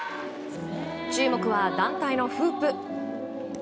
注目は団体のフープ。